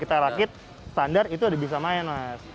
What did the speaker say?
kita rakit standar itu bisa main